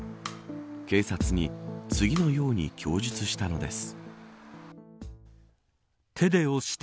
警察に次のように供述したのです。